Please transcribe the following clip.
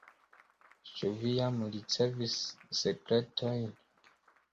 Ĉu vi jam ricevis sekretojn?